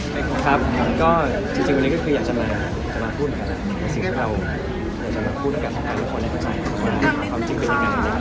วันนี้เราจะพูดกันมากว่าในหัวใจของเราความจริงเป็นยังไง